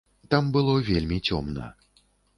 Там было вельмі цёмна.